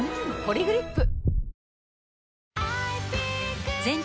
「ポリグリップ」